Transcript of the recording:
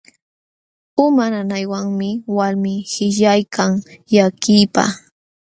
Uma nanaywanmi walmii qishyaykan llakiypaq.